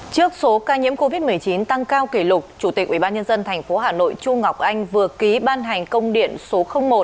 trước số ca nhiễm covid một mươi chín tăng cao kỷ lục chủ tịch ubnd tp hà nội chu ngọc anh vừa ký ban hành công điện số một